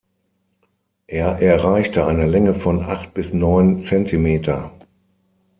Er erreichte eine Länge von acht bis neun Zentimeter.